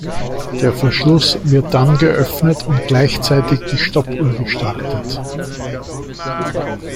Der Verschluss wird dann geöffnet und gleichzeitig die Stoppuhr gestartet.